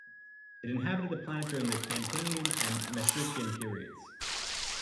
It inhabited the planet during the Campanian and Maastrichtian periods.